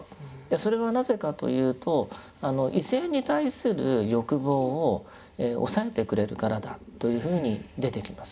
それはなぜかというと異性に対する欲望を抑えてくれるからだというふうに出てきます。